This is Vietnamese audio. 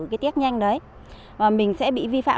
cái tiết nhanh đấy và mình sẽ bị vi phạm